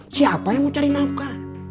siapa yang mau cari nafkah